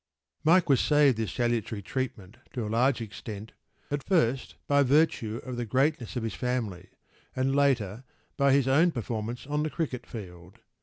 p> Mike was saved this salutary treatment to a large extent, at first by virtue of the greatness of his family, and, later, by his own performances on the cricket field.